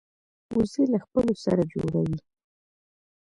وزې له خپلو سره جوړه وي